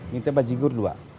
minta baju gur dua